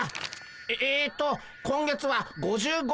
えと今月は５５